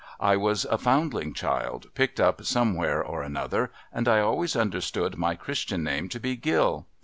I was a foundling child, picked up somewhere or another, and I always understood my christian name to be Gill.